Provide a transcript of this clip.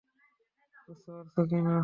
বুঝতে পারছো কি-না?